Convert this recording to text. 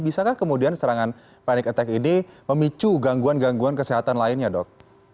bisakah kemudian serangan panic attack ini memicu gangguan gangguan kesehatan lainnya dok